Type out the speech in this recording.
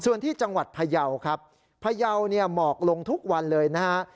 ส่วนที่จังหวัดพยาวครับพยาวเนี่ยหมอกลงทุกวันเลยนะฮะ